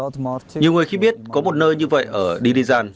nhiều người khi biết có một nơi như vậy ở dilijan